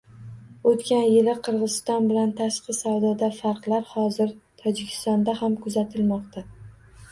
O'tgan yili Qirg'iziston bilan tashqi savdoda farqlar, hozir Tojikistonda ham kuzatilmoqda